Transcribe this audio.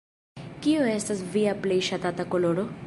Kiu estas via plej ŝatata koloro?